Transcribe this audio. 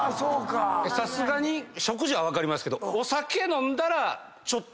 さすがに食事は分かりますけど。